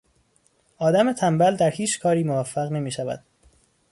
آدم تنبل در هیچ کاری موفق نمیشود.